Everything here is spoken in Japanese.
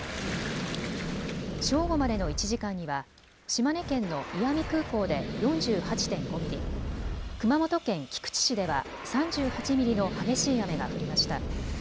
正午までの１時間には島根県の石見空港で４８．５ミリ、熊本県菊池市では３８ミリの激しい雨が降りました。